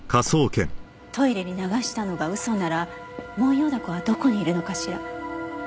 トイレに流したのが嘘ならモンヨウダコはどこにいるのかしら？